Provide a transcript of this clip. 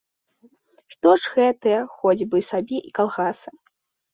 Што ж гэтыя, хоць бы сабе і калгасы.